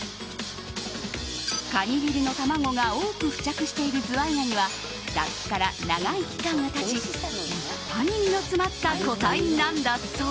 カニビルの卵が多く付着しているズワイガニは脱皮から長い期間が経ち立派に身の詰まった個体なんだそう！